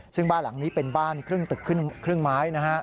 ซึ่งบ้านหลังนี้เป็นบ้านครึ่งตึกครึ่งไม้นะฮะ